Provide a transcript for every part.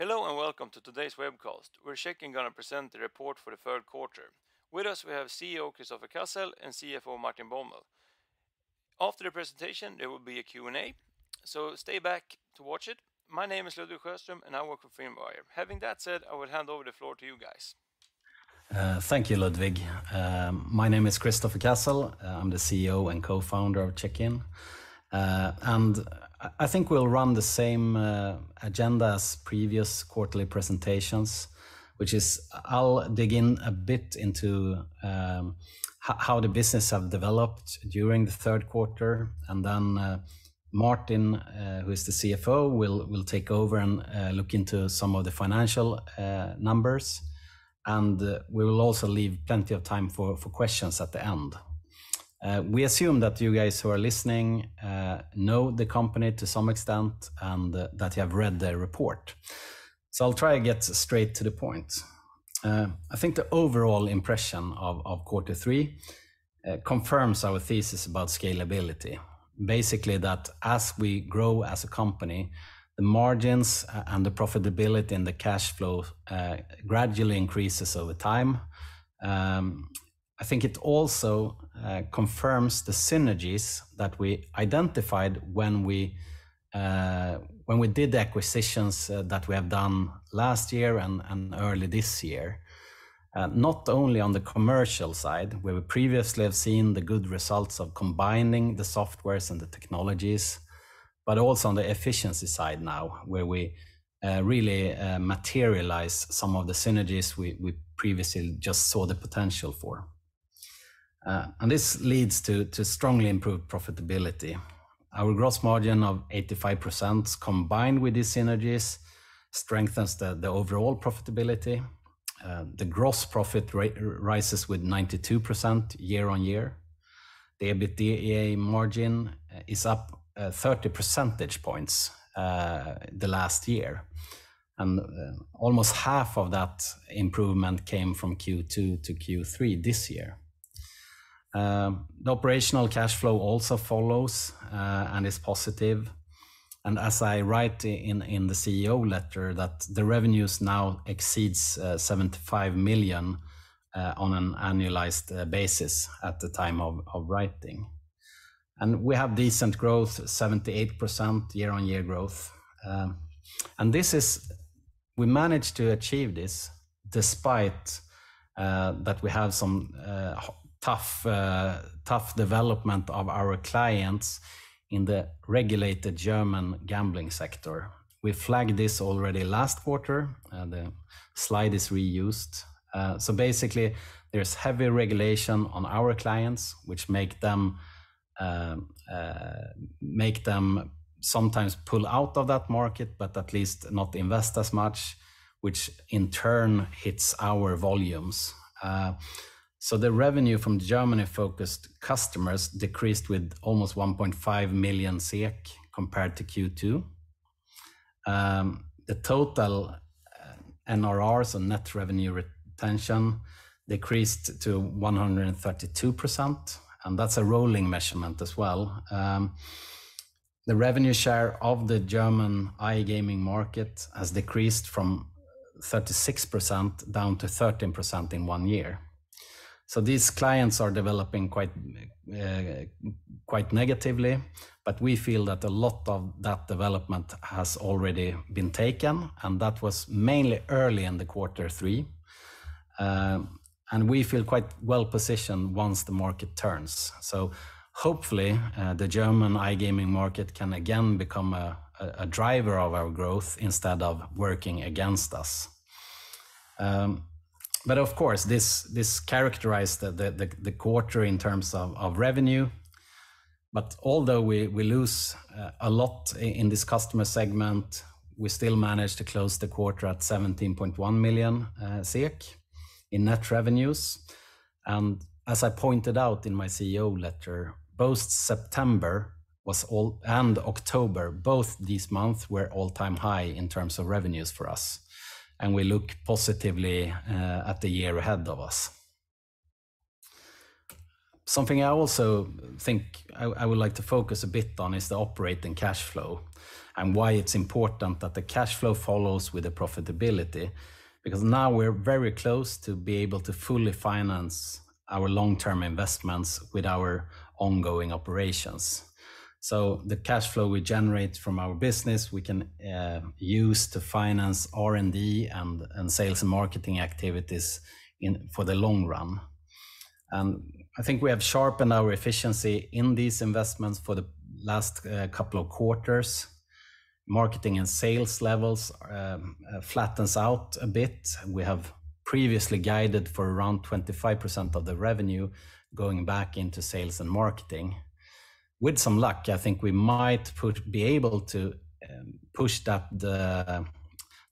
Hello and welcome to today's webcast. We're gonna present the report for the third quarter. With us, we have CEO Kristoffer Cassel and CFO Martin Bäuml. After the presentation, there will be a Q&A, so stay back to watch it. My name is Ludvig Sjöström, and I work with Finwire. Having that said, I will hand over the floor to you guys. Thank you, Ludvig. My name is Kristoffer Cassel. I'm the CEO and Co-Founder of Checkin. I think we'll run the same agenda as previous quarterly presentations, which is I'll dig in a bit into how the business has developed during the third quarter. Martin, who is the CFO, will take over and look into some of the financial numbers. We will also leave plenty of time for questions at the end. We assume that you guys who are listening know the company to some extent and that you have read the report. I'll try to get straight to the point. I think the overall impression of quarter three confirms our thesis about scalability. Basically that as we grow as a company, the margins and the profitability and the cash flow gradually increases over time. I think it also confirms the synergies that we identified when we did the acquisitions that we have done last year and early this year. Not only on the commercial side, where we previously have seen the good results of combining the softwares and the technologies, but also on the efficiency side now, where we really materialize some of the synergies we previously just saw the potential for. This leads to strongly improved profitability. Our gross margin of 85%, combined with these synergies, strengthens the overall profitability. The gross profit rises with 92% year-on-year. The EBITDA margin is up 30 percentage points the last year, and almost half of that improvement came from Q2 to Q3 this year. The operational cash flow also follows, and is positive. As I write in the CEO letter that the revenues now exceeds 75 million on an annualized basis at the time of writing. We have decent growth, 78% year-on-year growth. We managed to achieve this despite that we have some tough development of our clients in the regulated German gambling sector. We flagged this already last quarter, and the slide is reused. Basically, there's heavy regulation on our clients, which make them sometimes pull out of that market, but at least not invest as much, which in turn hits our volumes. The revenue from the Germany focused customers decreased with almost 1.5 million SEK compared to Q2. The total NRRs or net revenue retention decreased to 132%, and that's a rolling measurement as well. The revenue share of the German iGaming market has decreased from 36% down to 13% in one year. These clients are developing quite negatively, but we feel that a lot of that development has already been taken, and that was mainly early in the quarter three. We feel quite well-positioned once the market turns. Hopefully, the German iGaming market can again become a driver of our growth instead of working against us. Of course, this characterized the quarter in terms of revenue. Although we lose a lot in this customer segment, we still manage to close the quarter at 17.1 million SEK in net revenues. As I pointed out in my CEO letter, both September and October, both these months were all-time high in terms of revenues for us, and we look positively at the year ahead of us. Something I also think I would like to focus a bit on is the operating cash flow and why it's important that the cash flow follows with the profitability. Because now we're very close to be able to fully finance our long-term investments with our ongoing operations. The cash flow we generate from our business, we can use to finance R&D and sales and marketing activities for the long run. I think we have sharpened our efficiency in these investments for the last couple of quarters. Marketing and sales levels flattens out a bit. We have previously guided for around 25% of the revenue going back into sales and marketing. With some luck, I think we might be able to push that, the,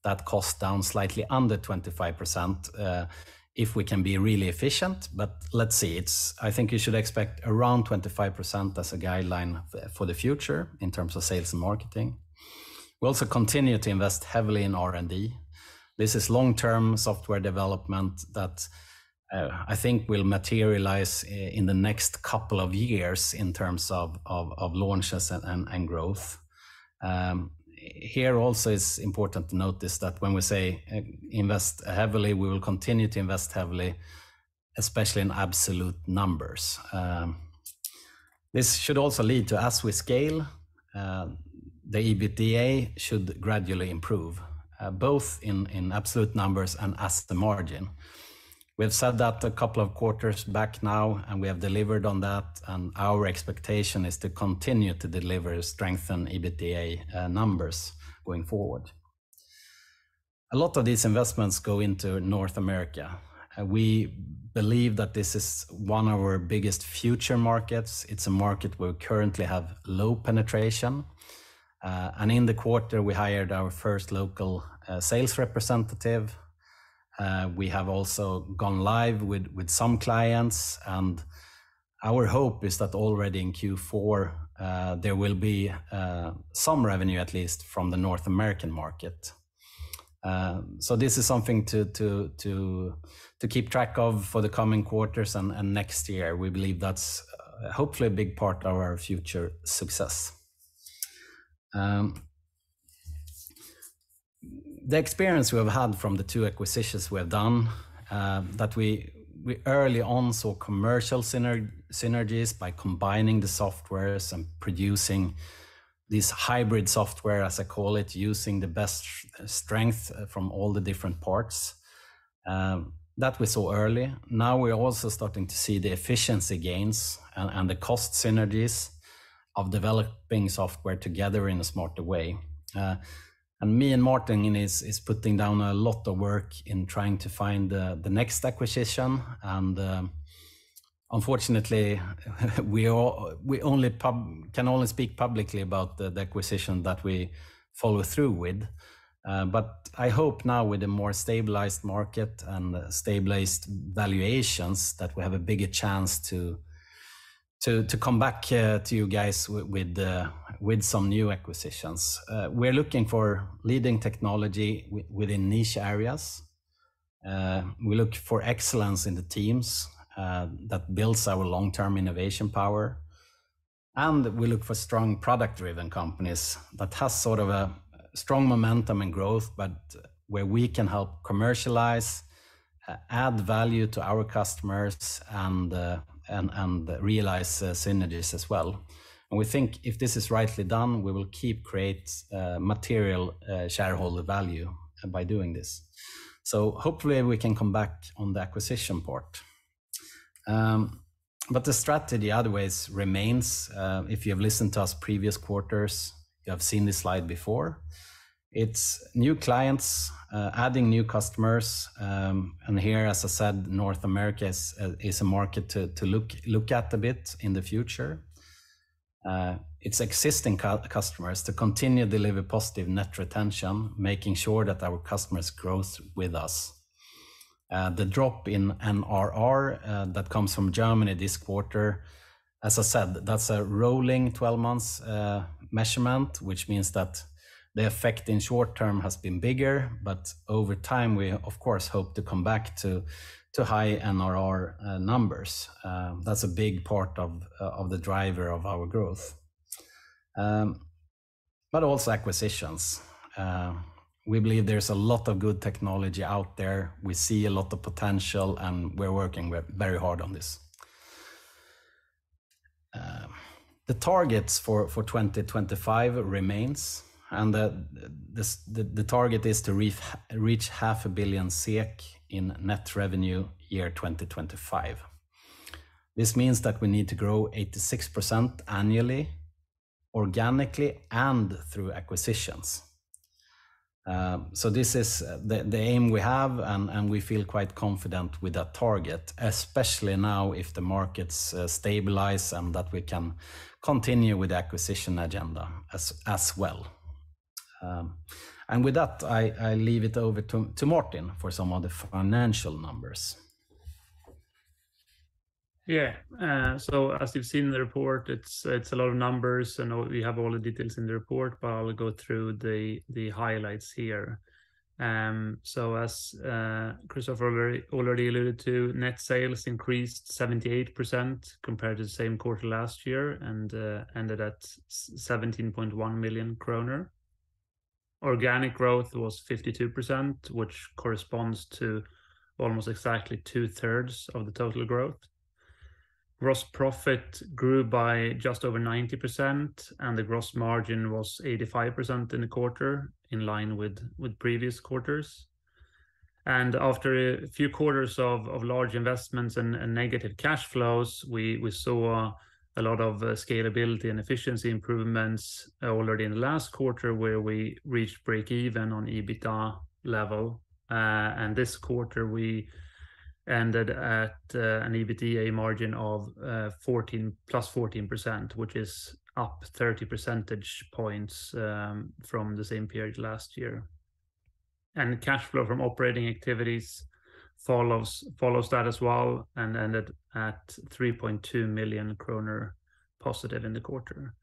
that cost down slightly under 25%, if we can be really efficient. But let's see. I think you should expect around 25% as a guideline for the future in terms of sales and marketing. We also continue to invest heavily in R&D. This is long-term software development that I think will materialize in the next couple of years in terms of launches and growth. Here also it's important to notice that when we say invest heavily, we will continue to invest heavily, especially in absolute numbers. This should also lead to, as we scale, the EBITDA should gradually improve both in absolute numbers and as the margin. We have said that a couple of quarters back now, and we have delivered on that, and our expectation is to continue to deliver strengthened EBITDA numbers going forward. A lot of these investments go into North America. We believe that this is one of our biggest future markets. It's a market where we currently have low penetration. In the quarter, we hired our first local sales representative. We have also gone live with some clients, and our hope is that already in Q4 there will be some revenue at least from the North American market. This is something to keep track of for the coming quarters and next year. We believe that's hopefully a big part of our future success. The experience we have had from the two acquisitions we have done, that we early on saw commercial synergies by combining the softwares and producing this hybrid software, as I call it, using the best strength from all the different parts, that we saw early. Now we are also starting to see the efficiency gains and the cost synergies of developing software together in a smarter way. Me and Martin is putting down a lot of work in trying to find the next acquisition. Unfortunately, we can only speak publicly about the acquisition that we follow through with. I hope now with a more stabilized market and stabilized valuations, that we have a bigger chance to come back to you guys with some new acquisitions. We're looking for leading technology within niche areas. We look for excellence in the teams that builds our long-term innovation power. We look for strong product-driven companies that has sort of a strong momentum and growth, but where we can help commercialize, add value to our customers, and realize synergies as well. We think if this is rightly done, we will create material shareholder value by doing this. Hopefully we can come back on the acquisition part. The strategy otherwise remains. If you have listened to us previous quarters, you have seen this slide before. It's new clients, adding new customers. Here, as I said, North America is a market to look at a bit in the future. It's existing customers to continue deliver positive net retention, making sure that our customers grows with us. The drop in MRR that comes from Germany this quarter, as I said, that's a rolling 12 months measurement, which means that the effect in short term has been bigger. Over time, we of course hope to come back to high MRR numbers. That's a big part of the driver of our growth. Also acquisitions. We believe there's a lot of good technology out there. We see a lot of potential, and we're working very hard on this. The targets for 2025 remains, and the target is to reach half a billion SEK in net revenue year 2025. This means that we need to grow 86% annually, organically, and through acquisitions. This is the aim we have, and we feel quite confident with that target, especially now if the markets stabilize and that we can continue with the acquisition agenda as well. With that, I leave it over to Martin for some of the financial numbers. Yeah. So as you've seen in the report, it's a lot of numbers, and we have all the details in the report, but I'll go through the highlights here. So as Kristoffer already alluded to, net sales increased 78% compared to the same quarter last year and ended at 17.1 million kronor. Organic growth was 52%, which corresponds to almost exactly 2/3 of the total growth. Gross profit grew by just over 90%, and the gross margin was 85% in the quarter, in line with previous quarters. After a few quarters of large investments and negative cash flows, we saw a lot of scalability and efficiency improvements already in the last quarter where we reached break even on EBITDA level. This quarter, we ended at an EBITDA margin of plus 14%, which is up 30 percentage points from the same period last year. Cash flow from operating activities follows that as well and ended at 3.2 million kronor positive in the quarter.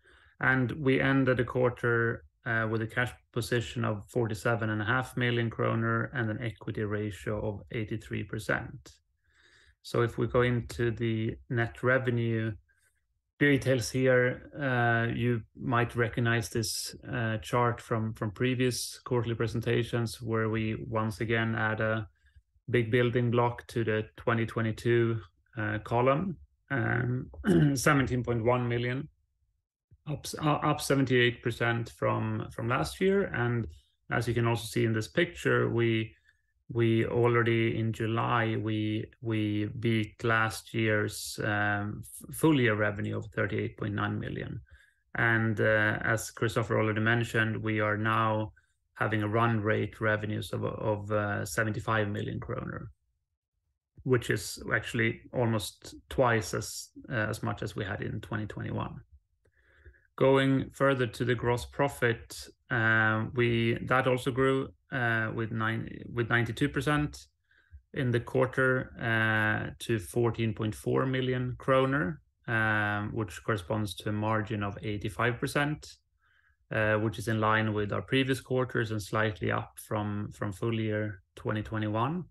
We ended the quarter with a cash position of 47.5 million kronor and an equity ratio of 83%. If we go into the net revenue details here, you might recognize this chart from previous quarterly presentations where we once again add a big building block to the 2022 column. 17.1 million. Up 78% from last year. As you can also see in this picture, we already in July beat last year's full-year revenue of 38.9 million. As Kristoffer already mentioned, we are now having a run rate revenues of 75 million kronor, which is actually almost twice as much as we had in 2021. Going further to the gross profit, that also grew with 92% in the quarter to 14.4 million kronor, which corresponds to a margin of 85%, which is in line with our previous quarters and slightly up from full-year 2021.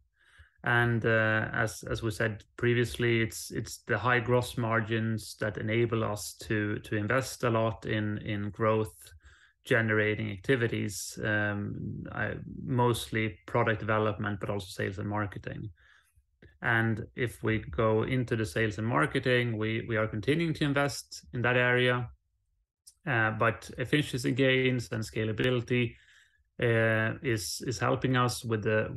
As we said previously, it's the high gross margins that enable us to invest a lot in growth-generating activities, mostly product development but also sales and marketing. If we go into the sales and marketing, we are continuing to invest in that area. Efficiency gains and scalability is helping us with the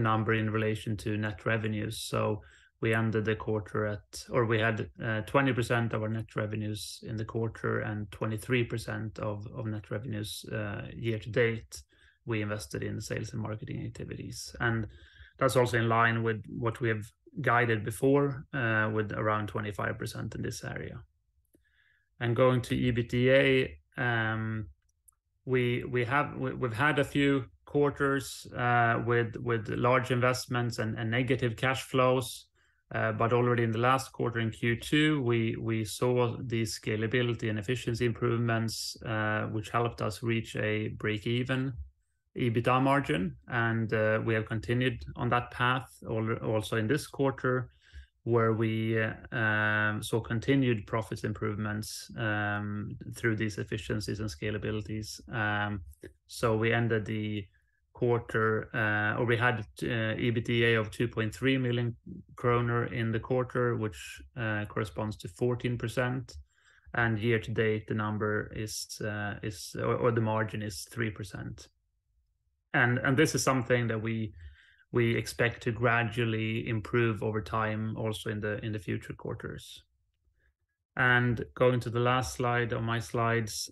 number in relation to net revenues. We had 20% of our net revenues in the quarter and 23% of net revenues year to date we invested in sales and marketing activities. That's also in line with what we have guided before, with around 25% in this area. Going to EBITDA, we've had a few quarters with large investments and negative cash flows. Already in the last quarter, in Q2, we saw the scalability and efficiency improvements, which helped us reach a break-even EBITDA margin. We have continued on that path also in this quarter, where we saw continued profit improvements through these efficiencies and scalability. We had EBITDA of 2.3 million kronor in the quarter, which corresponds to 14%. Year to date, the margin is 3%. This is something that we expect to gradually improve over time also in the future quarters. Going to the last slide on my slides,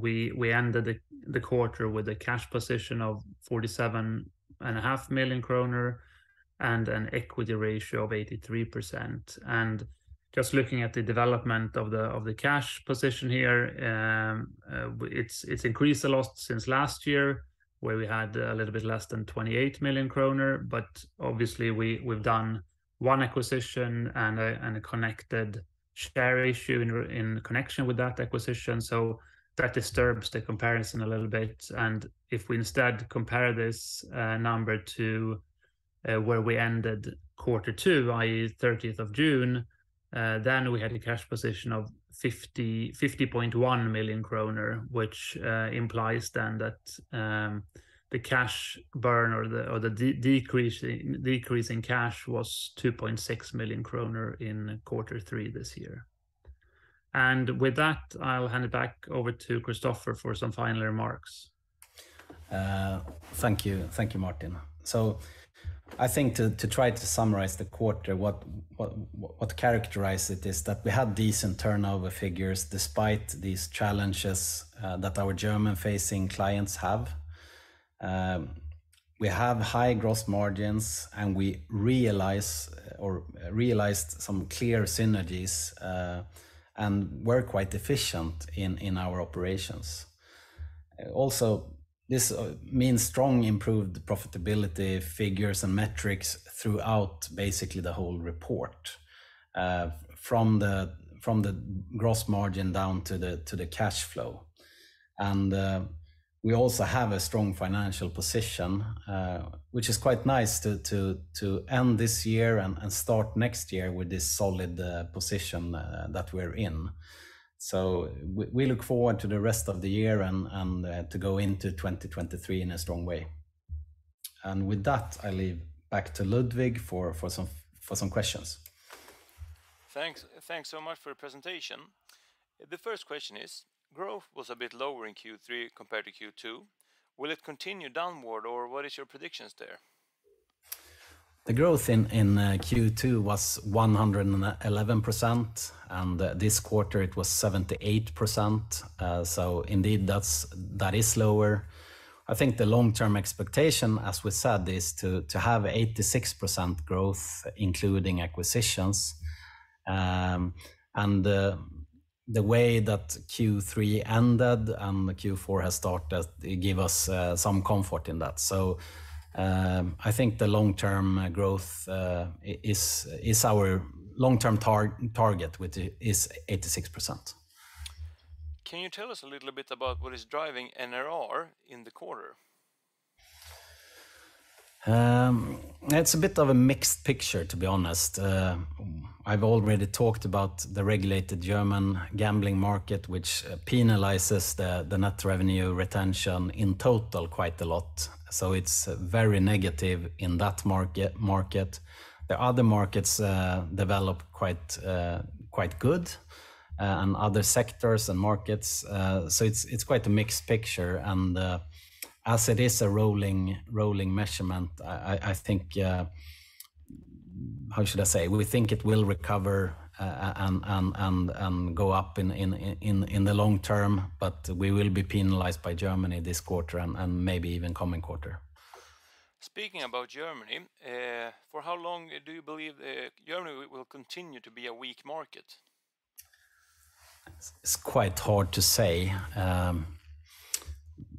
we ended the quarter with a cash position of 47.5 million kronor and an equity ratio of 83%. Just looking at the development of the cash position here, it's increased a lot since last year where we had a little bit less than 28 million kronor. Obviously we've done one acquisition and a connected share issue in connection with that acquisition. That disturbs the comparison a little bit. If we instead compare this number to where we ended quarter two, i.e., 30th of June, then we had a cash position of 50.1 million kronor, which implies then that the cash burn or the decrease in cash was 2.6 million kronor in quarter three this year. With that, I'll hand it back over to Kristoffer for some final remarks. Thank you. Thank you, Martin. I think to try to summarize the quarter, what characterized it is that we had decent turnover figures despite these challenges that our German-facing clients have. We have high gross margins, and we realize or realized some clear synergies, and we're quite efficient in our operations. Also, this means strong improved profitability figures and metrics throughout basically the whole report, from the gross margin down to the cash flow. We also have a strong financial position, which is quite nice to end this year and start next year with this solid position that we're in. We look forward to the rest of the year and to go into 2023 in a strong way. With that, I hand back to Ludvig for some questions. Thanks. Thanks so much for the presentation. The first question is, growth was a bit lower in Q3 compared to Q2. Will it continue downward, or what is your predictions there? The growth in Q2 was 111%, and this quarter it was 78%. Indeed, that is lower. I think the long-term expectation, as we said, is to have 86% growth, including acquisitions. The way that Q3 ended and Q4 has started, it give us some comfort in that. I think the long-term growth is our long-term target, which is 86%. Can you tell us a little bit about what is driving NRR in the quarter? It's a bit of a mixed picture, to be honest. I've already talked about the regulated German gambling market, which penalizes the net revenue retention in total quite a lot, so it's very negative in that market. The other markets develop quite good, and other sectors and markets. It's quite a mixed picture, and as it is a rolling measurement, I think, how should I say? We think it will recover and go up in the long term, but we will be penalized by Germany this quarter and maybe even coming quarter. Speaking about Germany, for how long do you believe Germany will continue to be a weak market? It's quite hard to say.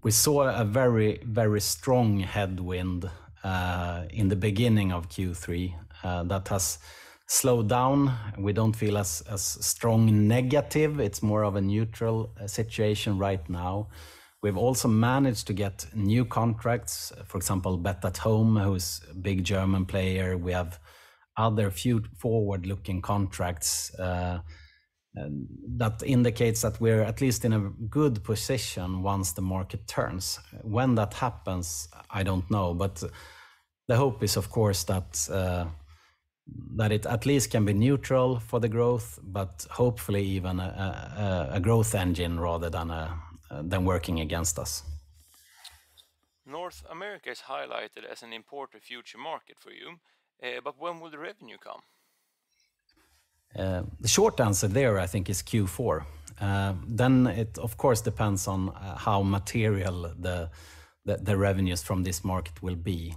We saw a very, very strong headwind in the beginning of Q3 that has slowed down. We don't feel as strong negative. It's more of a neutral situation right now. We've also managed to get new contracts, for example, bet-at-home.com, who's a big German player. We have other few forward-looking contracts that indicates that we're at least in a good position once the market turns. When that happens, I don't know. The hope is, of course, that it at least can be neutral for the growth, but hopefully even a growth engine rather than working against us. North America is highlighted as an important future market for you, but when will the revenue come? The short answer there I think is Q4. It of course depends on how material the revenues from this market will be.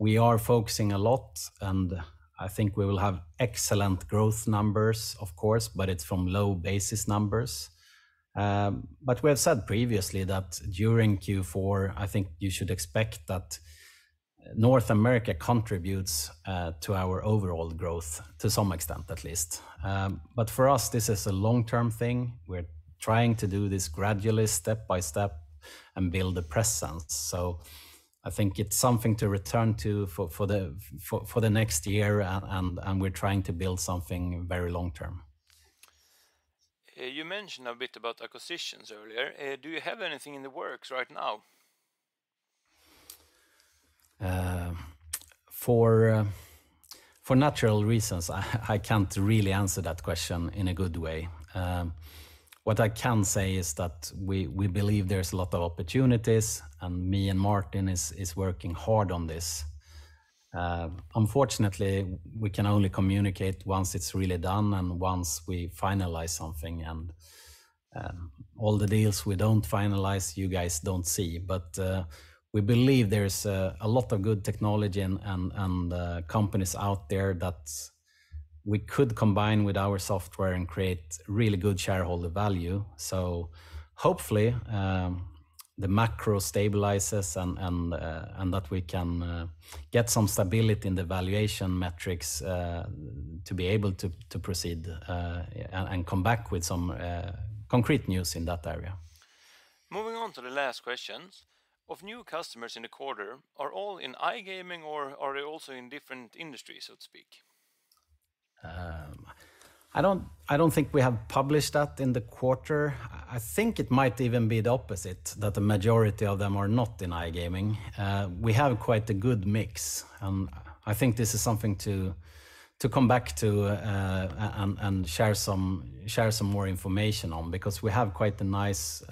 We are focusing a lot, and I think we will have excellent growth numbers, of course, but it's from low base numbers. We have said previously that during Q4, I think you should expect that North America contributes to our overall growth to some extent, at least. For us, this is a long-term thing. We're trying to do this gradually step by step and build a presence. I think it's something to return to for the next year and we're trying to build something very long term. You mentioned a bit about acquisitions earlier. Do you have anything in the works right now? For natural reasons, I can't really answer that question in a good way. What I can say is that we believe there's a lot of opportunities, and me and Martin is working hard on this. Unfortunately, we can only communicate once it's really done and once we finalize something and all the deals we don't finalize, you guys don't see. We believe there's a lot of good technology and companies out there that we could combine with our software and create really good shareholder value. Hopefully, the macro stabilizes and that we can get some stability in the valuation metrics to be able to proceed and come back with some concrete news in that area. Moving on to the last questions. Are new customers in the quarter all in iGaming, or are they also in different industries, so to speak? I don't think we have published that in the quarter. I think it might even be the opposite, that the majority of them are not in iGaming. We have quite a good mix, and I think this is something to come back to and share some more information on because we have quite a nice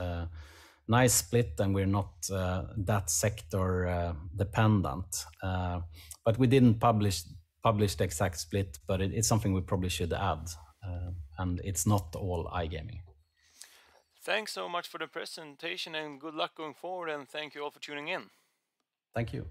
split and we're not that sector dependent. We didn't publish the exact split, but it's something we probably should add. It's not all iGaming. Thanks so much for the presentation and good luck going forward, and thank you all for tuning in. Thank you.